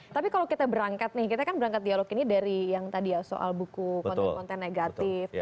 tapi kalau kita berangkat nih kita kan berangkat dialog ini dari yang tadi ya soal buku konten konten negatif